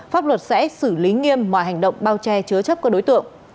pháp luật sẽ xử lý nghiêm mọi hành động bao che chứa chấp các đối tượng